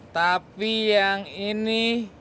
tapi yang ini